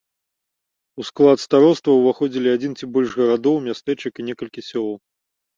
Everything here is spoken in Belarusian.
У склад староства ўваходзілі адзін ці больш гарадоў, мястэчак і некалькі сёлаў.